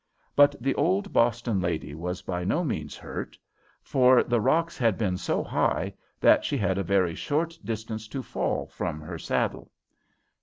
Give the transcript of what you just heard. But the old Boston lady was by no means hurt, for the rocks had been so high that she had a very short distance to fall from her saddle.